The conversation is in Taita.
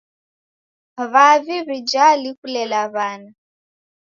W'avi w'ijali kulela w'ana.